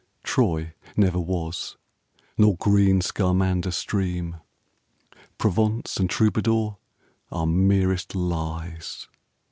Troy never was, nor green Skamander stream. Provence and Troubadour are merest lies.